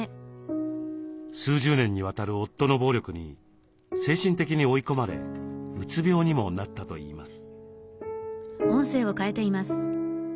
数十年にわたる夫の暴力に精神的に追い込まれうつ病にもなったといいます。